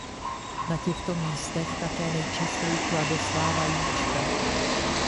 Na těchto místech také nejčastěji klade svá vajíčka.